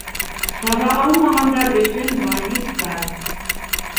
Таба алмағандар өсөн балнис бар.